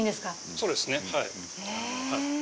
そうですねはい。